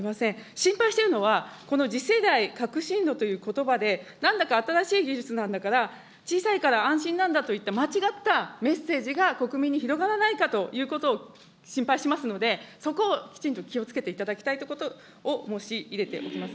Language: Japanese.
心配しているのは、この次世代革新炉ということばで、なんだか新しい技術なんだから、小さいから安心なんだといった、間違ったメッセージが国民に広がらないかということを心配しますので、そこをきちんと気をつけていただきたいということを申し入れておきます。